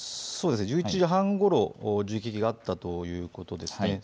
１１時半ごろ銃撃があったということですね。